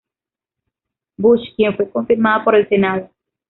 Bush, quien fue confirmada por el Senado.